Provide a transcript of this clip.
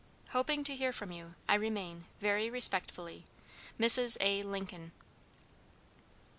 Hoping to hear from you, I remain, very respectfully, "MRS. A. LINCOLN."